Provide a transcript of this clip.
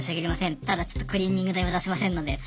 ただちょっとクリーニング代は出せませんのでって。